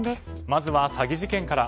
まずは詐欺事件から。